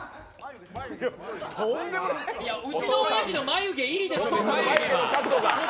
うちのおやじの眉毛いいでしょう。